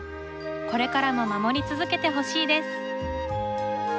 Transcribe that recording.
これからも守り続けてほしいです